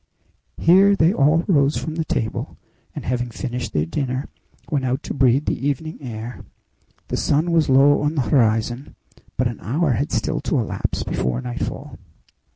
Here they all rose from the table, and, having finished their dinner, went out to breathe the evening air. The sun was low on the horizon, but an hour had still to elapse before nightfall.